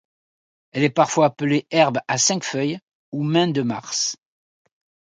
Elle est parfois appelée Herbe à cinq feuilles ou Main-de-Mars.